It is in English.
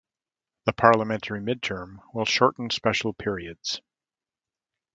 The parliamentary midterm will shorten special periods.